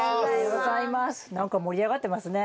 何か盛り上がってますね。